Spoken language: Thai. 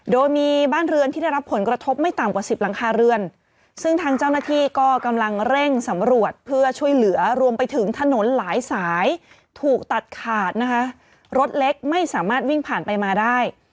โดยมีบ้านเรือนที่ได้รับผลกระทบไม่ต่ำกว่าสิบหลังคาเรือนซึ่งทางเจ้าหน้าที่ก็กำลังเร่งสำรวจเพื่อช่วยเหลือรวมไปถึงถนนหลายสายถูกตัดขาดนะคะรถเล็กไม่สามารถวิ่งผ่านไปมาได้